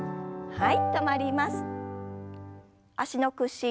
はい。